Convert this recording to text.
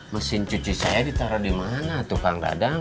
mesin cuci saya ditaro dimana tuh kang dadang